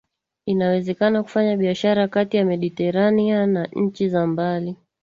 iliwezekana kufanya biashara kati ya Mediteranea na nchi za mbali